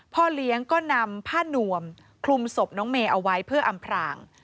พ่อเลี้ยงก็นำผ้านวมคลุมศพน้องเมย์เอาไว้เพื่ออำพราง